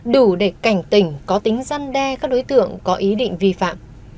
đủ để cảnh tỉnh có tính răn đe các đối tượng có ý định vi phạm